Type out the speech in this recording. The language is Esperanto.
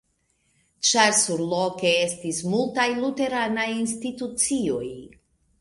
Ĉar surloke estis multaj luteranaj institucioj.